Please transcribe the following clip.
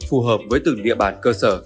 phù hợp với từng địa bản cơ sở